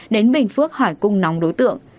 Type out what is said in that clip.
đến bình phước hỏi cung nóng đối tượng